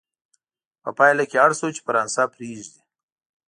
په پایله کې اړ شو چې فرانسه پرېږدي.